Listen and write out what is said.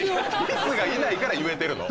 ティスがいないから言えてるの。